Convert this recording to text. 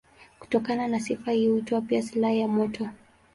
Kutokana na sifa hii huitwa pia silaha ya moto.